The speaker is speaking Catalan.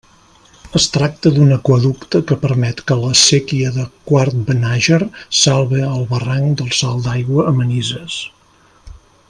Es tracta d'un aqüeducte que permet que la séquia de Quart-Benàger salve el barranc del Salt d'Aigua a Manises.